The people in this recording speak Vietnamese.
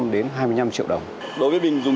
đến hai mươi năm triệu đồng